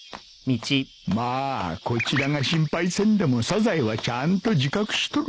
まあこちらが心配せんでもサザエはちゃんと自覚しとる